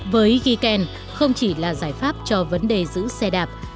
với giken không chỉ là giải pháp cho vấn đề giữ xe đạp